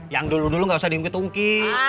yang dulu dulu gak usah diungkit ungkit